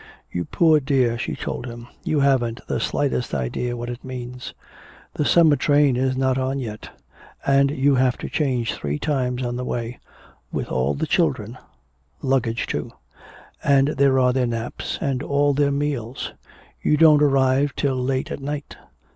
"You poor dear," she told him, "you haven't the slightest idea what it means. The summer train is not on yet, and you have to change three times on the way with all the children luggage, too. And there are their naps, and all their meals. You don't arrive till late at night.